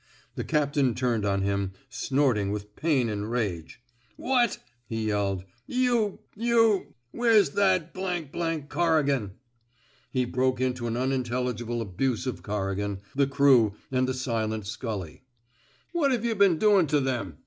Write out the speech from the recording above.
The captain turned on him, snorting with pain and rage. What? '' he yelled. You — you^ — Where's that Corri gan? '^ He broke into an unintelligible abuse of Corrigan, the crew, and the silent Scully. What Ve yuh been doin ' to them